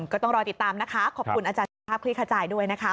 ก็ต้องรอติดตามนะคะขอบคุณอาจารย์สุภาพคลี่ขจายด้วยนะคะ